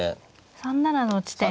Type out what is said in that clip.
３七の地点が。